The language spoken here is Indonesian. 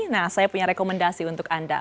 nah saya punya rekomendasi untuk anda